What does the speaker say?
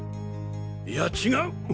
いや違う！